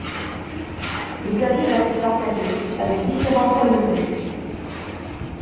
Les avis restent partagés, avec différents points de vue.